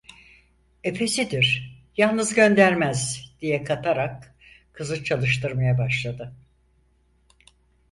"Efesidir, yalnız göndermez" diye katarak kızı çalıştırmaya başladı.